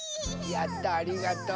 やったありがとう。